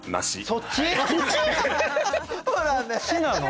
そっちなの？